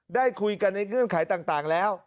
ได้คุยกันในเงื่อนไขต่างแล้ว